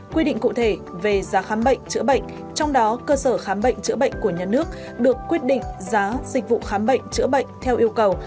quy định cụ thể về giá khám bệnh chữa bệnh trong đó cơ sở khám bệnh chữa bệnh của nhà nước được quyết định giá dịch vụ khám bệnh chữa bệnh theo yêu cầu